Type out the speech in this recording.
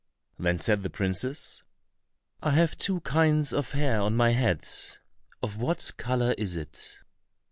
Then said the princess, "I have two kinds of hair on my head, of what color is it?"